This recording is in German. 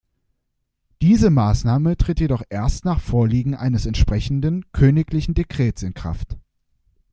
Diese Maßnahme tritt jedoch erst nach Vorliegen eines entsprechenden königlichen Dekrets in Kraft.